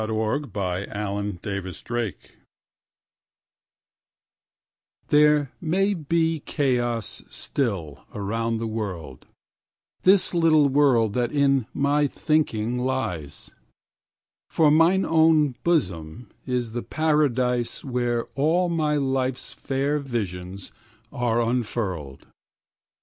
PS 2771 1896 Robarts Library 1There may be chaos still around the world,2This little world that in my thinking lies;3For mine own bosom is the paradise4Where all my life's fair visions are unfurled.